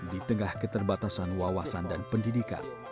di tengah keterbatasan wawasan dan pendidikan